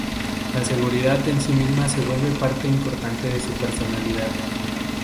La seguridad en sí misma se vuelve parte importante de su personalidad.